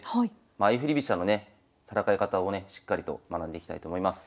相振り飛車のね戦い方をねしっかりと学んでいきたいと思います。